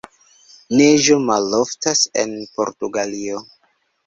Neĝo maloftas en Portugalio.